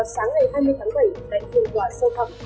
sáng ngày hai mươi tháng bảy tại thiên tòa sâu thẳm